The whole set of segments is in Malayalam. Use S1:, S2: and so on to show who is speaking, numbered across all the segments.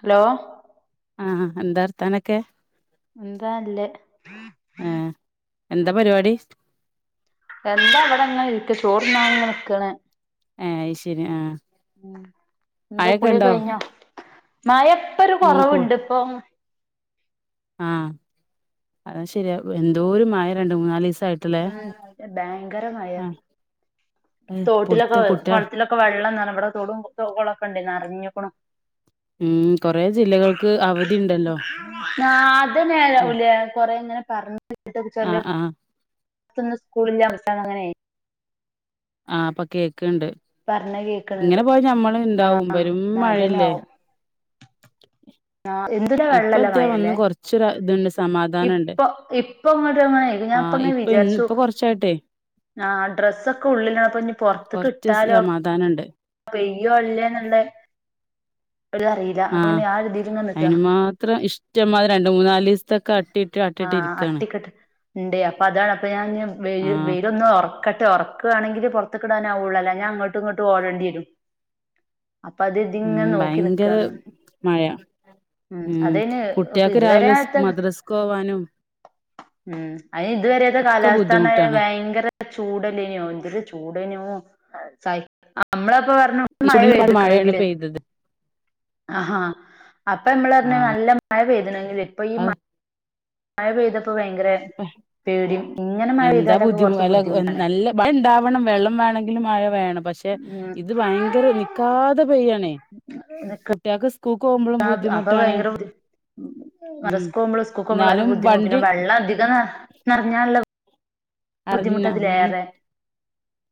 S1: ഹലോ
S2: ആ എന്താ വർത്താനക്കെ
S1: ന്താല്ലേ
S2: ആ, എന്തപരിപാടി..
S1: എന്താവടെങ്ങനെ ഇരിക് ചോറ്ണ്ണാനങ്ങനെ നിക്ണ്
S2: ഏഹ് അയ്ശരി ആഹ്
S1: മ് ന്ത്‌
S2: മഴൊക്കെ ഉണ്ടോ
S1: കുളികഴിഞ്ഞൊ? മയപ്പൊരു
S2: ഉം കൂ
S1: കൊറവുണ്ട്പ്പോം
S2: ആഹ് അതുംശെരിയ എന്തോരു മഴ രണ്ട് മൂന്നാലിസായി.
S1: മ്ഹ് ഭയങ്കരമയ
S2: ഏഹ്
S1: തോട്ടിലൊക്കെ
S2: പുടുത്തം കുട്ടിയ
S1: കൊൾത്തിലൊ ക്കെ വെള്ളം നറ ഇവടെ തൊടും കൊളൊക്കണ്ടെ നറഞ്ഞുകുണു.
S2: ഉം കൊറേ ജില്ലകൾക്ക് അവധി ഉണ്ടല്ലോ
S1: ഞാത്
S2: ഉം
S1: നേരാവുലേ. കൊറേങ്ങനെ പറ്ഞ്
S2: ആഹ് ആഹ്
S1: ഇത്ത്ന്ന് സ്കൂളിന്റെ അവസാനങ്ങനായി
S2: ആ അപ്പ കേക്ണ്ട്.
S1: പറഞ്ഞ
S2: ഇങ്ങനെ
S1: കേൾക്കണണ്ട്
S2: പോയാ ഞമ്മള് ഇണ്ടാവും പെരും മഴല്ലേ.
S1: ആ എന്തൊരു വെള്ളല്ലേ
S2: ഇപ്പത്യാ ഒന്ന്
S1: മഴല്ലേ
S2: കൊറച്ചൊരു ഇതുണ്ട് സമാധാനണ്ട്
S1: ഇപ്പൊ ഇപ്പ് ഇപ്പൊങ്ങോട്ട്ങ്ങനെ
S2: ആഹ്
S1: ഞാപ്പങ്ങനെ
S2: ഇപ്പൊ ഇന്ന്
S1: വിചാര്ച്ചു.
S2: ഇപ്പൊ കൊറച്ചായിട്ടെ
S1: ആ ഡ്രസ്സൊക്കെ ഉള്ളിലപ്പൊ നി പൊറത്ത്ക് ട്ടാലോ
S2: താനണ്ട്.
S1: പെയ്യോല്ലെന്ന്ള്ളെ ഒര്അറീലാ.
S2: ആഹ്
S1: അപ്പൊെപിന്നെ ആഒര്തി
S2: അയിന് മാത്ര ഇഷ്ടംമാതരി രണ്ട് മൂന്നാലിസത്തെ ക്കെ അട്ടിയിട്ട് അട്ടിയിട്ട് ഇരിക്കണ്
S1: ഇണ്ട്, അപ്പ അതാണ് അപ്പ ഞാൻ ഇനി വെയില്
S2: ആഹ്
S1: വെയിലൊന്ന് ഒറ ക്കട്ടെ. ഒറക്കാണെങ്കില് പൊറത്ത്ക്ക്ടാനാവൊള്ളൂ. അല്ലാഞ്ഞ അങ്ങോട്ടിങ്ങോട്ട് ഓടേണ്ടിരും. അപ്പ അത്
S2: ഉം
S1: ഇജ്ജിങ്ങനെ നോക്കി
S2: ഭയങ്കര
S1: നിക്കാണ്.
S2: മഴ
S1: ഉം അതെന്നെ നോക്ക്
S2: കുട്ട്യാക്ക്
S1: ഇതുവരെ
S2: രാവിലെ
S1: ആ
S2: സ് മദ്രസ്ക്ക് പോവാനും
S1: [unintelligible] ഉം അയിന് ഇതുവരെത്തെ
S2: ഒക്കെ
S1: കാലാവസ്ഥാന്ന് പറഞ്ഞ
S2: ബുദ്ധിമുട്ടാണ്
S1: ഭയങ്കര ചൂടല്ലേനോ. എന്തെരു ചൂടേയ്നോ. സ നമ്മളപ്പ പറഞ്ഞു. ഒന്ന് മഴ
S2: ചുടിനപ്പാട് മഴയാണ്
S1: പെയ്ത്ക്ക്ണെങ്കിലെന്ന്.
S2: പെയ്തത്
S1: ആഹാ. അപ്പ നമ്മളർഞ്ഞു
S2: ആഹ്
S1: നല്ല മഴ പെയ്ത്ണെങ്കില്. ഇപ്പ ഈ
S2: അത്
S1: മഴ മഴ പെയ്തപ്പോ ഭയങ്കര പേടിം. ഇങ്ങനെ മഴ പെയ്താലൊക്കെ കൊറച്ച് ബുദ്ധിമുട്ടാണ്.
S2: മഴണ്ടാവണം. വെള്ളം വേണങ്കില് മഴ വേണം. പഷേ
S1: ഉം
S2: ഇത് ഭയങ്കര നിക്കാതെ പെയ്യാണേ.
S1: നിക്ക
S2: കുട്ട്യാക്ക് സ്കൂക്കോമ്പളും ബുദ്ധിമുട്ടാണ്. ഉം
S1: മദ്റസ്‌ക്കോവുമ്പളും സ്‌കൂക്കോവുമ്പളും അത്
S2: എന്നാലും
S1: ബുദ്ധിമുട്ടിന.
S2: വണ്ടി
S1: പിന്നെ വെള്ളം അധികം നർ നർഞ്ഞാള്ളെ
S2: അർഞ്ഞ അർഞ്ഞാനും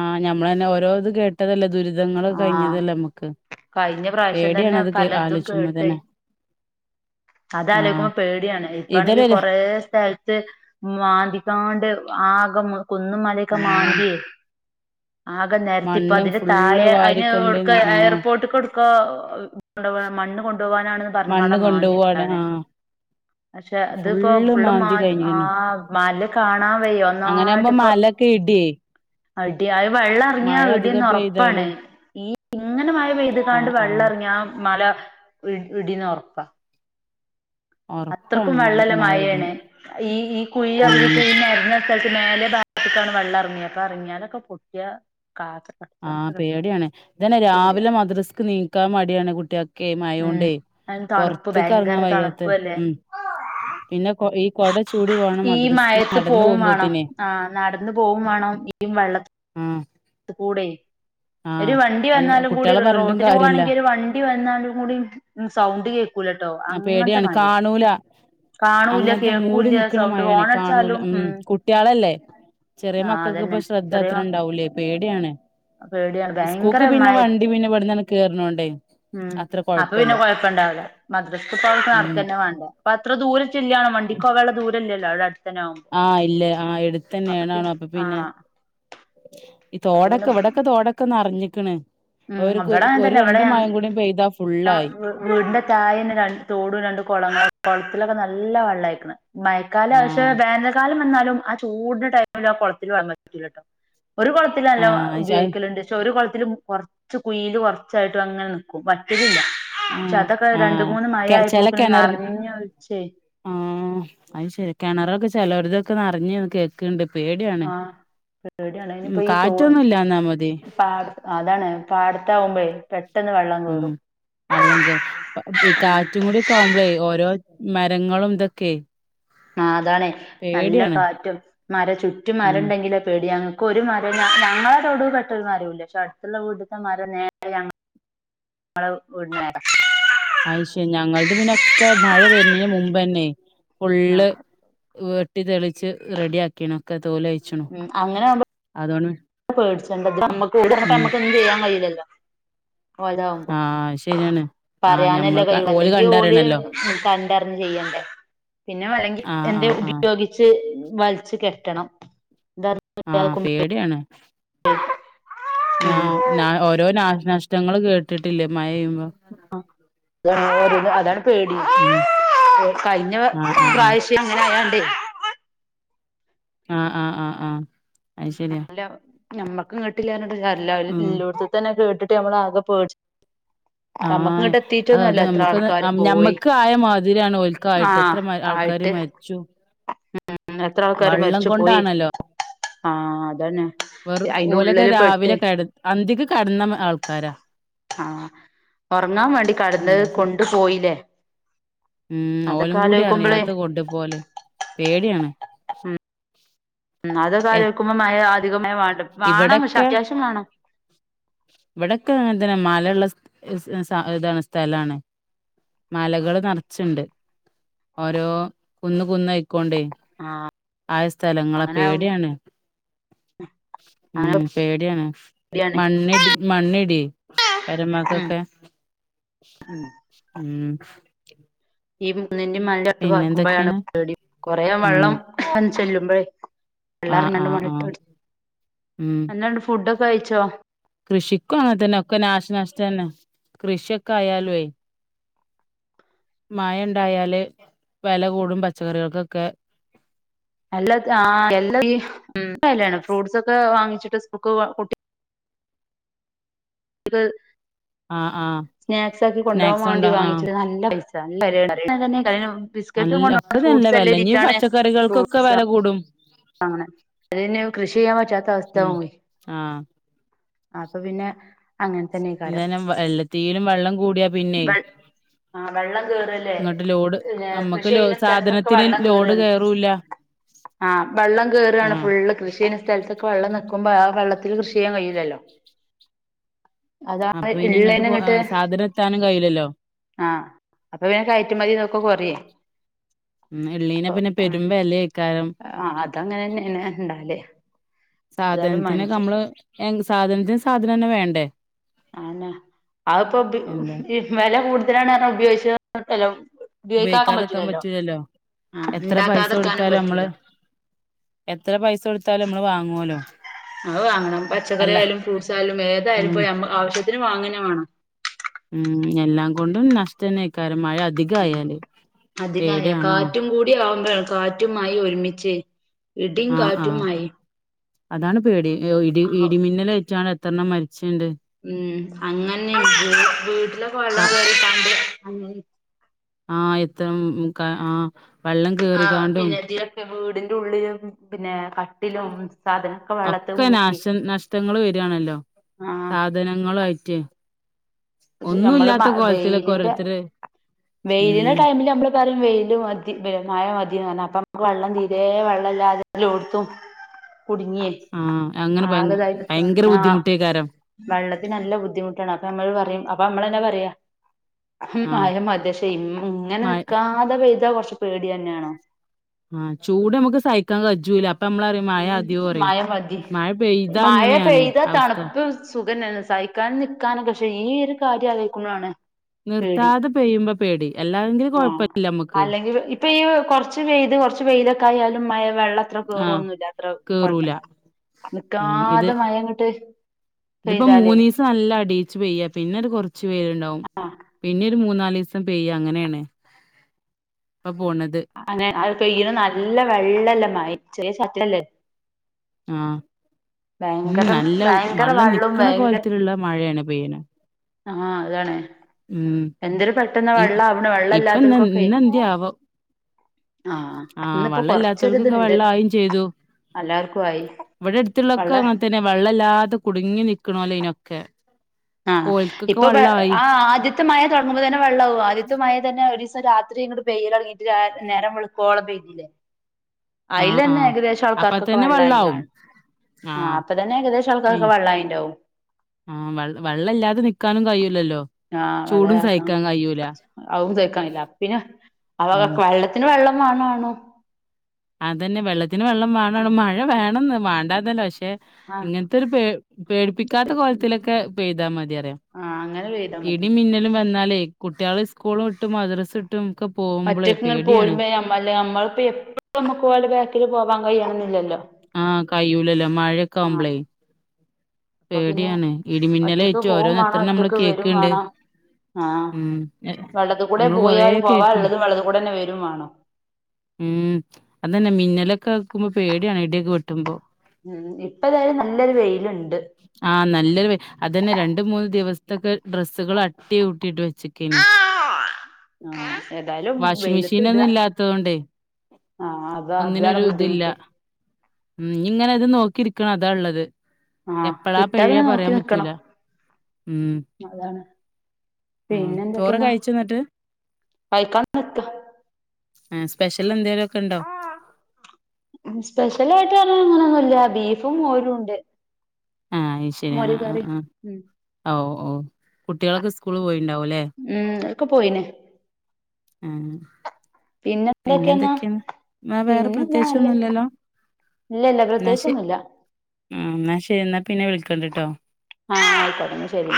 S2: ആഹ് ഞമ്മളന്നെ ഓരോ ഇത് കേ ട്ടതല്ലേ ദുരിതങ്ങള്
S1: ആഹ്
S2: കഴിഞ്ഞതല്ലേ നമ്മക്ക്.
S1: കഴിഞ്ഞ പ്രാശ്യം
S2: പേടിയാണ്
S1: തന്നെ
S2: അത് കേ
S1: പലതും
S2: ആലോചിച്ചുമ്പോ
S1: കേട്ടെ.
S2: തന്നെ ആഹ്
S1: അതാലോയിക്കുമ്പ പേടിയാണ്. ഇപ്പാണെങ്കി
S2: ഇതരല്ലേ
S1: കൊറേ സ്ഥൽത്ത് വാന്തികാണ്ട് ആക മൊത്തം കുന്നും മലയൊക്കെ
S2: ആഹ്
S1: മാന്ത്യെ ആകെ നെരത്തി.
S2: മണ്ണ്
S1: ഇപ്പതിന്
S2: ഫുള്ള്
S1: തായെ അയിന്
S2: വാരിക്കൊണ്ട്
S1: കൊടുക്ക
S2: ആ
S1: എയർപോട്ട്ക്ക് കൊടുക്കൊ കൊണ്ടവാ മണ്ണ് കൊണ്ടോവാനാണെന്ന് പർഞ് സ്ഥലം
S2: മണ്ണ്
S1: കളം
S2: കൊണ്ടുപോവാണ്
S1: മാന്തിയിട്ടിണ്ടേയ്നെ.
S2: ആ
S1: പക്ഷെ അത്പ്പോ ഫുള്ള് മാ
S2: മാന്തി കഴിഞ്ഞിക്കണ്
S1: ആഹ് മല കാണാൻ വയ്യ ഒന്നായി
S2: മലക്കെ ഇട്യേ.
S1: ആഹ് ഇടിയും. അഹ് വെള്ളറങ്ങിയ
S2: അധികം പെയ്താല്
S1: ഇടിയ്ന്നൊറപ്പാണ്. ഈ ഇങ്ങനെ മഴ
S2: ആ
S1: പെയ്ത്കാണ്ട്
S2: ആ
S1: വെള്ളറിങ്ങിയ മല ഇട് ഇടിയിന്നൊറപ്പാ. അത്രക്കും
S2: ഉറപ്പാണ് മല
S1: വെള്ളല്ല
S2: മഴ ഇടും
S1: മഴേണ്. ഈ ഈ
S2: ഉം
S1: കുഴിറങ്ങിട്ട് ഈ നേരത്തെ ത്ത് മേലെ ഭാഗത്ത്ക്കാണ് വെള്ളറങ്ങിയ. ഇപ്പ എറങ്ങിയോലൊക്കെ പോയാ ആർക്കറിയാം.
S2: ആഹ് പേടിയാണ്. ഇതന്നെ രാവിലെ മദ്രസ്ക്ക് എണീക്കാൻ മടിയാണ് കുട്ടിയാക്ക്. ക്കെ
S1: ഉം
S2: മയോണ്ടെ
S1: അതിന് തണുപ്പ് ഭയങ്കര
S2: പൊറത്ത്ക്ക്റങ്ങാൻ വയ്യാത്ത
S1: തണുപ്പു അല്ലേ
S2: ഉം പിന്നെ കൊ ഈ കൊട ചൂടി വേണം
S1: ഈ
S2: മദ്രസ്ക്ക്
S1: മഴെത്ത്
S2: നടന്നു
S1: പോവും വാണം.
S2: പോകുമ്പോത്തിനെ
S1: ആഹ് നടന്ന് പോവും വാണം. ഈ വെള്ള
S2: ഉം
S1: ത്ത് കൂടെ. ഒരു വണ്ടി
S2: അല്ല
S1: വന്നാലും കൂടെ
S2: കുട്ടികളെ
S1: ഒരു
S2: പറഞ്ഞിട്ടും
S1: റോട്ടില്
S2: കാര്യല്ല
S1: പോവാണെങ്കി ഒരു വണ്ടി ണ്ടി വന്നാലും കൂടിം സൗണ്ട് കേ
S2: ആഹ് പേടിയാണ്. കാണൂല
S1: കാണൂല്ല
S2: അങ്ങൻത്തെ മൂടി
S1: കേൾക്കൂല്ല
S2: നിക്കണ
S1: സൗണ്ട്
S2: മയാണെ
S1: ഹോൺ
S2: കാണൂല
S1: അടിച്ചാലും
S2: ഉം കുട്ട്യാളല്ലേ. ചെറിയ
S1: ആഹ്
S2: മക്കക്ക്
S1: അതന്നെ
S2: ഇപ്പ ശ്രദ്ധ
S1: ചെറിയ
S2: അത്ര
S1: മ
S2: ഉണ്ടാവൂലേയ് പേടിയാണ്.
S1: പേടിയാണ് ഭയങ്കര
S2: സ്കൂക്ക് പിന്നെ
S1: മഴ
S2: വണ്ടി പിന്നെ ഇവട്ന്നന്നെ കേറ്ണോണ്ടേയ്
S1: ഉം അപ്പ പിന്നെ കൊഴപ്പണ്ടാവില്ല. മദ്രസ്ക്ക്പ്പൊ അവ്ടെക്ക്
S2: ഉം
S1: നടക്കന്നെ വാണ്ടേ. അപ്പൊ അത്ര ദൂരം ചെല്ല്യാണും വണ്ടിക്ക് പോകാള്ളെ ദൂരല്ലല്ലോവടെ.
S2: ആഹ് ഇല്ലെ ആഹ് എടുത്തന്നെയന്നാണൊ അപ്പൊ പിന്നെ, ഈ
S1: അപ്പൊ
S2: തോടക്കെ
S1: പിന്നെ
S2: ഇവടെ ക്കെ തോടൊക്കെ നറിഞ്ഞിക്ക്ണ്.
S1: ഉം
S2: ഒരു കൊ
S1: ഇവിടെ അങ്ങനെ
S2: ഒരു
S1: തന്നെ ഇവിടെ
S2: രണ്ടു മഴം കൂടി
S1: ഞ
S2: പെയ്താ ഫുള്ളായി.
S1: വീടിന്റെ തായന്നെ രണ്ട് തോടും രണ്ടു കൊളങ്ങളും കൊളത്തിലൊക്കെ നല്ല വെള്ളായിക്ക്‌ണ്. മഴ ക്കാല
S2: ആ
S1: പക്ഷെ വേനൽക്കാലം വന്നാലും ആ ചൂടിന്റെ ടൈമില് ആ കൊളത്തില് വെള്ളം വറ്റൂലട്ടോ. ഒരു കൊള
S2: ആ
S1: ത്തിലല്ലോ ല്ണ്ട് പക്ഷെ ഒരു കൊളത്തിലും കൊറചു കുയ്യിലും കൊറച്ചായിട്ടും അങ്ങനെ നിക്കും വറ്റലില്ല.
S2: ഏ
S1: ക്ഷെ അതൊക്കെ
S2: ആ
S1: രണ്ട് മൂന്ന് മഴ ആയി പോക്ന് നെറഞ് ഒലിച്ചെയ്‌
S2: ആഹ് അയ് ശരി കെണറൊക്കെ ചെലരതൊക്കെ നറഞ് കേ ക്ക്‌ണ്ട് പേടിയാണ്
S1: ആഹ് പേടിയാണ്
S2: ഉം
S1: ഇനിയിപ്പോ ഈ തോട്
S2: കാറ്റൊന്നു ഇല്ലാന്നാ മതി
S1: പാട അതാണ് പാടതാവുമ്പോയെ പെ
S2: ഉം വള്ളം കേറും ഇ
S1: ഉം
S2: കാറ്റും കൂടി ക്കാവുമ്പളേയ് ഓരോ മരങ്ങളും ഇതൊക്കെയ്
S1: ആഹ് അതാണെയ് നല്ല കാറ്റും മര ചുറ്റും മരം
S2: ഉം
S1: ഉണ്ടെങ്കില് പേടിയാണ്. ക്ക്‌ ഒരു മരം ഞ ഞങ്ങളെ തൊടു പെട്ട ഒരു മരോല്ല പക്ഷേ അടുത്തുള്ള വീടുത്തെ മരം നേരെ ഞ ങ്ങളെ വീടിന് [unintelligible]
S2: ആശ്യം ഞങ്ങളത് പിന്നൊക്ക മഴ വരുന്നീന് മുമ്പ്ന്നെയ്
S1: ആ
S2: ഫുള്ള് വെ ട്ടി തെളിച്ച് റെഡി ആക്കിണ് ഒക്കെ തോല് കഴിച്ചുണ് അതുകൊ
S1: ഇത് പേടിച്ചണ്ട ഇത് പ്പൊ ഞമ്മക്ക് ഇത് ഇപ്പം ഞമ്മക്കൊന്നു ചെയ്യാൻ കഴയിലല്ലോ ഓൽതാ
S2: ആഹ് ശരിയാണ് ആഹ്
S1: പറയാനല്ലെ
S2: ഞമ്മള് ക
S1: കൈയ്യൊള്ളു അല്ലെങ്കി ഓല്
S2: കണ്ടറിയണല്ലോ
S1: കണ്ടറിഞ് ചെയ്യണ്ടേ പിന്നെ അല്ലെങ്കി
S2: ആഹ്
S1: എന്ത്യെ
S2: ആഹ് ആഹ്
S1: ഉപയോഗിച്ച് വൽച്ച് കെട്ടണം ഇത് അ
S2: ആഹ് പേടിയാണ്
S1: ഉം
S2: നാഹ് നാഹ് ഓരോ നാശനഷ്ടങ്ങള് കേട്ട്ട്ടില്ലേ മയ പെയ്യുബോ
S1: ഓരോന്ന് അതാണ് പേടി
S2: ഉം
S1: കഴിഞ്ഞ
S2: ആഹ് ആഹ് ആഹ്
S1: പ്രാവിശ്യം ഇങ്ങനെ ആയാണ്ടേയ്
S2: ആഹ് ആഹ് ആഹ് ആഹ് അത് ശരിയാ
S1: അല്ല ഞമ്മക്ക് ഇങ്ങട്ട് ഇല്ലാർഞ്ഞിട്ടും കാര്യല്ല
S2: ഉം
S1: ഇല്ലേട്ത്തന്നെ കേട്ട്ട്ട് ഞമ്മളാകെ പേടിച്
S2: ആഹ് അ അത്
S1: എത്ര
S2: ഞമ്മുക്കത്
S1: ആൾക്കാര് പോയി
S2: ഞമ്മക്ക് ആയ മാതിരിയാണ് ഓൽക്കായിട്ട്
S1: ആഹ്
S2: എത്ര മ ആൾക്കാര്
S1: ആയിട്ട്
S2: മരി ച്ചു
S1: എത്ര ആൾക്കാര്
S2: വള്ളം
S1: മരിച്ചു പോയി
S2: കൊണ്ടാണല്ലോ
S1: ആഹ് അതന്നെ
S2: വെറും ഓലൊക്കെ രാവിലെ കേടന്ന് അന്തിക് കെടന്ന മ ആൾക്കാരാ
S1: ആഹ് ഒറങ്ങാൻ വേണ്ടി കടന്നഹ്
S2: എന്താച്ച
S1: കൊണ്ടു പോയിലെ
S2: ഉം ഓലും കൂടിയറിയാത്ത കൊണ്ട് പോല് പേടിയാണ്.
S1: ഇന്നാലും അതൊ ആലോയ്ക്കുമ്പോ മയ അതികം മയ വാ
S2: ഇവടൊക്കെ ഇവടൊക്കെ അങ്ങനെ തന്നെ മല ഇള്ള സ് സ ഇതാണ് സ്ഥലാണ് മലകള് നർച്ച്ണ്ട് ഓരോ കുന്ന് കുന്നായിക്കോണ്ടേയ്
S1: ആഹ്
S2: ആയ സ്ഥലങ്ങളെ
S1: അങ്ങനെ
S2: പേടിയാണ് ഉം
S1: അങ്ങനെ
S2: പേടിയാണ്
S1: പേടിയാണ്
S2: മണ്ണിടി മണ്ണിടിയ്
S1: ഉം
S2: പെരമക്കൊക്കെ
S1: ഉം
S2: ഉം
S1: ഈ കുന്നിന്റെ മലന്റെ അടുത്ത്
S2: പിന്നെ
S1: പറക്കുമ്പോഴാണ്
S2: എന്തൊക്കെയാണ്
S1: പേടി കൊറെ
S2: ഉം
S1: വെള്ളം ആൺ ചെല്ലുമ്പോഴേ വെള്ള
S2: ആഹ്
S1: ഇറിങ്ങാണ്ട്
S2: ആഹ്
S1: മണ്ണിട്ട്
S2: ആഹ്
S1: ഇട്ത്ത്
S2: ഉം
S1: എന്താണ്ട് ഫുഡൊക്കെ കയിച്ചോ
S2: കൃഷിക്കും ആങ്ങനെ തന്നെ ഒക്കെ നാശനാശ്ടം തന്നെ കൃഷിയൊക്കെ ആയാലുയ് മഴ ഇണ്ടായാല് വില കൂടും പച്ചക്കറികൾക്കൊക്കെ
S1: എല്ലാ ആ [unintelligible] ഉം [unintelligible] ഫ്രൂട്ട്സ് ഒക്കെ വാങ്ങിച്ചിട്ട്ക്ക് സ്കൂൾക്ക് കുട്ടി ഇത്
S2: ആഹ് ആഹ്
S1: സ്നാക്സ് ആക്കി കൊണ്ട് പോകാൻ
S2: സ്നാക്സ്
S1: വേണ്ടി
S2: ഉണ്ടോ ആഹ്
S1: വാങ്ങിച്ചത് നല്ല പൈസ [unintelligible] ബിസ്ക്കറ്റും
S2: നല്ല ഒക്കെ
S1: കൊണ്ടോണ്‌ണ്ട്‌
S2: നല്ല
S1: ഫ്രൂട്ട്സ്
S2: വില
S1: എല്ലാം
S2: ഇനി
S1: [unintelligible]
S2: പച്ചക്കറികൾക്കൊക്കെ
S1: ഫ്രൂട്ട്സാ
S2: വില കൂടും
S1: അങ്ങന അതെന്നെ കൃഷി ചെയ്യാൻ പറ്റാത്ത അവസ്ഥ
S2: ഉം
S1: ആകുവേ
S2: ആഹ്
S1: അപ്പൊ പിന്നെ അങ്ങനെ തന്നെയ്
S2: ഇങ്ങനെ വ എല്ലട്‌ത്തീലും വെള്ളം കൂടിയാ പിന്നെ
S1: വെ ആഹ് വെള്ളം കേറുകയല്ലേ
S2: ഇങ്ങോട്ട് ലോഡ്
S1: പിന്ന
S2: നമ്മുക്ക്
S1: കൃഷി
S2: ലോ
S1: ചെയ്യുന്ന സ്ഥലത്തൊക്കെ
S2: സാധനത്തിന്
S1: വെള്ളം
S2: ലോഡ്
S1: കയറുകയാണ്
S2: കയറൂല്ല
S1: ആഹ് വെള്ളം കേറുകയാണ്
S2: ആഹ്
S1: ഫുള്ള് കൃഷി ചെയ്യുന്ന സ്ഥലത്തൊക്കെ വെള്ളം നിക്കുമ്പോ ആ വെള്ളത്തിൽ കൃഷി ചെയ്യാൻ കഴിയില്ലല്ലോ
S2: അപ്പൊ പിന്നെ ങ്ങട്ട്
S1: ഇള്ളേന്
S2: പോ
S1: ഇങ്ങട്ട്
S2: സാധനം എത്താനും കഴിയില്ലല്ലോ
S1: ആഹ് അപ്പൊ പിന്നെ കയറ്റുമതി ഇതൊക്ക കൊറയു.
S2: മ്മക് എള്ളീനെ പിന്നെ
S1: ഉം
S2: പെരും വെലയ്ക്കാരം
S1: ആഹ് അതങ്ങനെ തന്നെയാണ് ഇണ്ടാവല് ഏതായാലും
S2: സാധനത്തിനൊക്ക
S1: മനുഷ്യ
S2: നമ്മള് എന്ത് സാധനത്തിന് സാധനം തന്നെ വേണ്ടേ
S1: അതെന്നെ അതിപ്പോ പി
S2: എന്താ
S1: ഈ വില കൂടുതലാണ് പർഞ്ഞ് ഉപയോഗിക്കാതെ നിക്കുലല്ലൊ ഉപയോഗിക്കാതെ നിക്കാൻ
S2: ഉപയോഗിക്കാതെക്കാൻ
S1: പറ്റില്ലല്ലോ
S2: പറ്റൂലല്ലോ
S1: ആഹ്
S2: എത്ര പൈസ
S1: ഉണ്ടാക്കാതെക്കാനും
S2: കൊടുത്താലും
S1: പറ്റൂല.
S2: നമ്മള് എത്ര പൈസ കൊടുത്താലും നമ്മള് വാങ്ങുവല്ലോ
S1: അത് വാങ്ങണം പച്ചക്കറി
S2: അല്ല
S1: ആയാലും ഫ്രൂട്ട്സ് ആയാലും
S2: ഉം
S1: ഏതായാലും പ്പോ ഞമ്മക്ക് ആവശ്യത്തിന് വാങ്ങുക തന്നെ വേണം.
S2: ഉം എല്ലാം കൊണ്ടും നഷ് റ്റന്നേയ്ക്കാരം മഴ അധികായാല്
S1: അധികായാ
S2: പേടിയാണാണോ
S1: കാറ്റും കൂടി ആവുമ്പഴാണ് കാ റ്റും മഴേം ഒരുമിച്ചെ ഇടിം,
S2: ആഹ്
S1: കാറ്റും,
S2: ആഹ്
S1: മഴേം
S2: അതാണ് പേടി ഇ ഇടി
S1: ആഹ്
S2: ഇടിമിന്നലേറ്റ്കാണ്ട് എത്രെണ്ണം മരിച്ച്ണ്ട്
S1: ഉം അങ്ങന്നെ വീട്ടിലൊക്കെ
S2: ആ
S1: വെള്ളം കേറികാണ്ട്
S2: ആഹ് എത്ര ഉം ക ആഹ് വെള്ളം കേറിക്കാണ്ടും
S1: പിന്ന വീടിൻ്റെ ഉള്ളിലും പിന്നെ ക
S2: ഒക്കെ നാശ നഷ്ടങ്ങള് വരുവാണല്ലൊ
S1: ആ
S2: കാ ധനങ്ങളു ആയിട്ട്
S1: അത് ശെരി നമ്മള് മ
S2: ഒന്നുല്ലാത്ത കോലത്തിലൊക്കെ
S1: വെയിലിന്റെ
S2: ഓരോരുത്തര്
S1: അ
S2: ഉം
S1: വെയിലിന്റെ ടൈമില് നമ്മള് പറയും വെയില് മതി വെ മയ മതിന്ന് പറഞ്ഞാ അപ്പം വെള്ളം തീരേ വെള്ളല്ലാതെ എല്ലോട്ത്തു
S2: ആഹ് അങ്ങനെ ഭയ
S1: ആകെതായി
S2: ഭയങ്കര
S1: നിക്കാണ് ആ
S2: ബുദ്ധിമുട്ടേയ് കാരം
S1: വെള്ളത്തിന് നല്ല ബുദ്ധിമുട്ടാണ് അപ്പൊ നമ്മള് പറയും അപ്പൊ നമ്മള് തന്നെ പറയാ ഹും
S2: ആഹ്
S1: മയ മതി പക്ഷെ ഇം ഇങ്ങനെ
S2: മഴ
S1: നിക്കാതെ പെയ്താ കൊറച്ച് പേടി തന്നെയാണ്.
S2: ആഹ് ചൂട് നമുക്ക് സഹിക്കാൻ കജ്ജൂല്ല.
S1: ഉം മയ മതി
S2: മഴ പെയ്താ
S1: മഴ
S2: അങ്ങനെയാണ്
S1: പെയ്താ
S2: അവസ്ഥ
S1: തണുപ്പ് സുഖന്നല്ലെ സഹി ക്കാൻ നിൽക്കാനൊക്കെ പക്ഷെ ഈ ഒരു കാര്യം ആലോയ്ക്കുമ്പഴാണ്
S2: നിർത്താതെ പെയ്യുമ്പോ പേടി അല്ലാതെങ്കില്
S1: ആഹ്
S2: കൊഴപ്പല്ല നമ്മക്ക്.
S1: അല്ലെങ്കിൽ ഇപ്പൊ ഈ കുറച്ച് പെയ്ത് കുറച്ച് വെയിലൊക്കെ ആയാലും മഴ വെള്ളം അത്ര
S2: ആഹ്
S1: കയറൊന്നും
S2: കേറൂല ഉം ഇത്
S1: നിക്കാതെ മഴ അങ്ങട്ട്
S2: ഇതിപ്പോ
S1: പെയ്താല്
S2: മൂന്നീസ് സം നല്ല അടീച്ച് പെയ്യ പിന്നെ ഒരു കൊറച്ച് വെയിലുണ്ടാവും.
S1: ആഹ്
S2: പിന്നെ ഒരു മൂന്നാലിസ് സം പെയ്യ അങ്ങനെയാണ് ഇപ്പ പോണത്.
S1: അങ്ങനെ അഅ് പെയ്യ്ണ നല്ല വെള്ളള്ള മഴെ ചെലെ സ്ഥലത്തല്ലെ
S2: ആഹ് ഉം
S1: ഭയങ്കര
S2: നല്ല
S1: ഭയങ്കര
S2: വെള്ളം
S1: വെള്ളവും
S2: നിക്കണ
S1: ഭയങ്കര
S2: കോലത്തിലുള്ള മഴയാണ് പെയ്യണ്
S1: ആഹ് അതാണ്.
S2: ഉം
S1: എന്തൊരു പെട്ടെന്ന
S2: ഇ
S1: വെള്ള ആവ്ണ്. വെള്ളം
S2: ഇപ്പ ഇന്ന്
S1: ഇല്ലാത്തൊൽക്കൊക്കെ.
S2: ഇന്നെന്തേ ആവോ
S1: ആ
S2: ആഹ്
S1: ഇന്ന്പ്പോ
S2: വെള്ളം
S1: കൊറ്ച്ചൊര്
S2: ഇല്ലാത്തോൽക്കൊക്കെ
S1: ഇത്ണ്ട്.
S2: വെള്ളായും ചെയ്തു
S1: എല്ലാർക്കും ആയി.
S2: ഇവിടെ എടുത്തുള്ളൊക്കെ
S1: വെള്ള
S2: അങ്ങൻത്തന്നെ. വെള്ള ഇല്ലാതെ കുടുങ്ങി നിക്ക്ണോലേനി ഒക്കെ.
S1: ആ. ഇപ്പൊ ആ ആദ്യത്തെ ആദ്യത്തെ മഴ തുടങ്ങുമ്പ തന്നെ വെള്ള ആവും. ആദ്യത്തെ മഴ തന്നെ ഒരീസം രാത്രി പെയ്യൽതുടങ്ങിയിട്ട് നേരം വെളുക്കോളം പെയ്തീന്
S2: ആഹ്
S1: അയ്ലെന്നെ
S2: ആഹ്
S1: ഏകദേശം
S2: അപ്പ
S1: ആൾക്കാർക്കൊക്കെ
S2: തന്നെ
S1: വെള്ളായി
S2: വെള്ളാവും
S1: കാണും. ആ.
S2: ആഹ്
S1: അപ്പ തന്നെ ഏകദേശം ആൾക്കാർക്ക് വെള്ളം ആയിണ്ടാവും.
S2: ആ വെള്ള ഇല്ലാതെ നിക്കാനും കഴിയൂലല്ലോ.
S1: ആ വള
S2: ചൂടും
S1: ഇല്ലാതക്കാൻ.
S2: സഹിക്കാൻ കഴിയൂല
S1: അവും സഹിക്കാൻ കയ്യൂല. അപ പിന്നെ അവെ
S2: ഉം
S1: വെള്ളത്തി ഇതിന് വെള്ളം വാണോ ആണോ
S2: അതന്നെ വെള്ളത്തിന് വെള്ളം വേണണം മഴ വേണംന്ന് മാണ്ടാന്നല്ല പക്ഷെ
S1: ആഹ്
S2: ഇങ്ങൻത്തൊരു പേ പേടിപ്പിക്കാത്ത കോലത്തിലൊക്കെ പെയ്താ മതി അറിയാ
S1: ആഹ് അങ്ങനെ പെയ്താ മതി
S2: ഇ മിന്നലും വന്നാലേ കുട്ട്യാള് സ്കൂളും ഇട്ടും മദ്രസ ഇട്ടും ഒക്കെ പോകുമ്പളെ പേട്യാണ്.
S1: മല്ല നമ്മള് ഇപ്പോ എപ്ലം നമുക്ക് ഓലെ ബേക്കില് പോവാൻ കഴണംന്നില്ലല്ലൊ.
S2: ആ കയ്യൂലല്ലൊ. മഴയൊക്കെ ആവുമ്പളെ.
S1: അപ്പൊ പിന്നെ ഒറ്റക്ക്
S2: ഇടിമിന്നലേറ്റും
S1: പോകും
S2: ഓരോന്ന് എത്ര
S1: വാണം.
S2: നമ്മള്
S1: ഒറ്റക്ക് വരും
S2: കേക്ക്ണ്ട്
S1: വേണം. ആ
S2: ഉം എ
S1: വെള്ളത്തി കൂടെ
S2: നമ്മള് കൊറേ
S1: പോയാൽ
S2: കേക്ക്ണ്
S1: പോവാള്ളതും വെള്ളത്ത് കൂടെന്നെ വരും വാണം.
S2: ഉം അതന്നെ മിന്നലൊക്കെ ആക്കുമ്പം പേട്യാണ്. ഇട്യാെക്കെ വെട്ടുമ്പോ.
S1: ഉം ഇപ്പ എതായാലും നല്ലൊരു വെയില്ണ്ട്.
S2: ആ നല്ലൊരു അതന്നെ രണ്ട് മൂന്ന് ദിവസത്തൊക്കെ ഡ്രസ്സുകള് അട്ടിയൂട്ടിട്ട് വെച്ചക്കേനു.
S1: ആ ഏതായാലും
S2: വാഷിംഗ്
S1: വെയിലത്ത് ഇട.
S2: മെഷീനൊന്നും ഇല്ലാത്തതോണ്ടേ
S1: ആ അത അതാണ്
S2: ഒന്നിനൊരു ഇതില്ല
S1: ബുദ്ധിമുട്ട്.
S2: ഉം ഇഞ് ഇങ്ങനെ ഇത് നോക്കി ഇരിക്കണം അതാ ഇള്ളത്.
S1: ആഹ്
S2: എപ്പളാ
S1: കിട്ടാ
S2: പെയ്യ
S1: പിന്നെ നോക്കി
S2: പറയാൻ പറ്റൂല.
S1: നിക്കണം
S2: ഉം
S1: അതാണ്.
S2: ആഹ്
S1: പിന്നെ
S2: ചോറ്
S1: എന്തൊക്കേന്നാ
S2: കഴിച്ചോ ന്നിട്ട്
S1: കൈക്ക
S2: ആ സ്പെഷ്യൽ എന്തേലൊക്കെ ഇണ്ടോ?
S1: സ്പെഷ്യൽ ആയിട്ട് അങ്ങനൊന്നുല്ല. ബീഫും, മോരും ഇണ്ട്.
S2: ആ അഹ് ശെരിയ. ആ ആ
S1: ഉം
S2: ആ ഓ ഓ കുട്ടികളൊക്കെ സ്കൂള് പോയിണ്ടാവുലെ.
S1: ഉം ഒക്കെ പോയിന്
S2: ആ
S1: പിന്നെ എന്തൊക്കെന്നാ.
S2: വേറെ
S1: പിന്നെന്ത നല്ലേ.
S2: പ്രത്യേകിച്ചൊന്നുംല്ലല്ലോ
S1: ഇല്ല ഇല്ല പ്രത്യേകിച്ചൊന്നുല്ല.
S2: ആ ഇന്നാ ശരി. ഇന്നാ പിന്നെ വിളിക്കണ്ട്ട്ടോ.
S1: ആ ആയിക്കോട്ടെ ഇന്ന ശെരി.